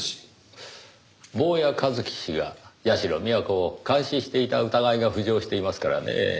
坊谷一樹氏が社美彌子を監視していた疑いが浮上していますからねぇ。